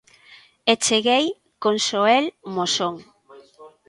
E cheguei con Xoel Moxón.